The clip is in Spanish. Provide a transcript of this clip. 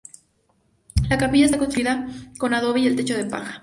La capilla está construida con adobe y el techo de paja.